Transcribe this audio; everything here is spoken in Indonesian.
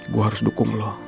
gue harus dukung lo